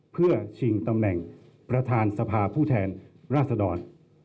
เพื่อชิงตำแหน่งประธานสภาผู้แทนราษดร